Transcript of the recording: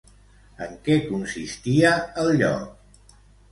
En què consistia el lloc?